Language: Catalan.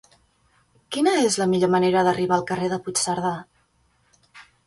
Quina és la millor manera d'arribar al carrer de Puigcerdà?